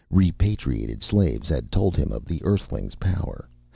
Repatriated slaves had told him of the Earthlings' power.